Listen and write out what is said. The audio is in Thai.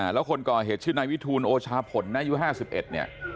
แล้วคนก่อเหตุชื่อนายวิทูลโอชาผลนายุ๕๑เนี่ย